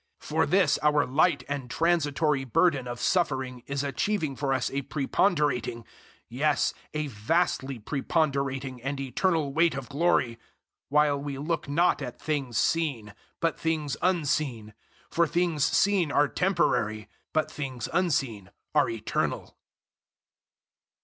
004:017 For this our light and transitory burden of suffering is achieving for us a preponderating, yes, a vastly preponderating, and eternal weight of glory; 004:018 while we look not at things seen, but things unseen; for things seen are temporary, but things unseen are eternal.